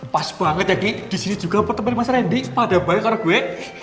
pas banget ya ki disini juga bertemu mas reddy pada baik orang gue